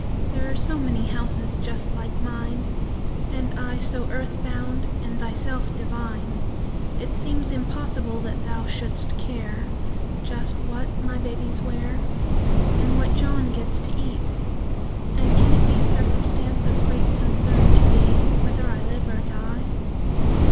There are so many houses just like mine. And I so earth bound, and Thyself Divine. It seems impossible that Thou shouldst care Just what my babies wear; And what John gets to eat; ... and can it be A circumstance of great concern to Thee Whether I live or die?